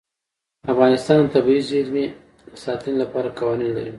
افغانستان د طبیعي زیرمې د ساتنې لپاره قوانین لري.